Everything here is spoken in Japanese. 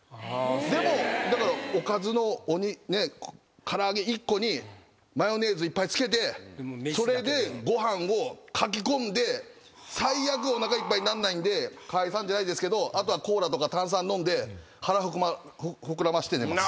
でもだからおかずの唐揚げ１個にマヨネーズいっぱい付けてそれでご飯をかきこんで最悪おなかいっぱいになんないんで川合さんじゃないですけどあとはコーラとか炭酸飲んで腹膨らまして寝ます。